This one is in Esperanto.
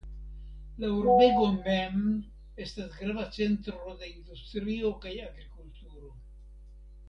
La urbego mem estas grava centro de industrio kaj agrikulturo.